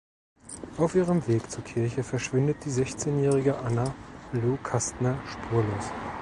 Auf ihrem Weg zur Kirche verschwindet die sechzehnjährige Anna Lou Kastner spurlos.